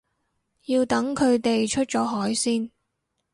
要等佢哋出咗海先